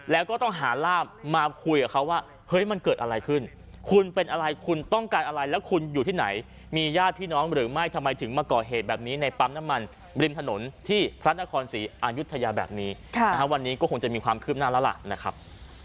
แล้วก็ต้องหาร่ามมาคุยกับเขาว่าเฮ้ยมันเกิดอะไรขึ้นคุณเป็นอะไรคุณต้องการอะไรแล้วคุณอยู่ที่ไหนมีญาติพี่น้องหรือไม่ทำไมถึงมาก่อเหตุแบบนี้ในปั๊มน้ำมันริมถนนที่พระนครศรีอายุทยาแบบนี้วันนี้ก็คงจะมีความคืบหน้าแล้วล่ะนะครับ